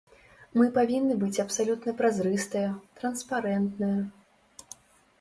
Мы павінны быць абсалютна празрыстыя, транспарэнтныя.